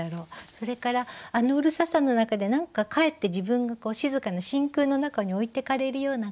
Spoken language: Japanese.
それからあのうるささの中で何かかえって自分が静かな真空の中に置いてかれるような感じ